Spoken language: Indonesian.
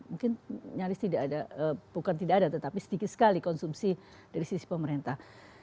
mungkin nyaris tidak ada bukan tidak ada tetapi sedikit sekali konsumsi dari sisi pemerintah